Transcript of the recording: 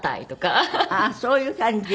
ああそういう感じ。